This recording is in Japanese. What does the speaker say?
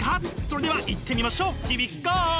それではいってみましょう！